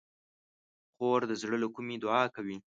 خور د زړه له کومي دعا کوي.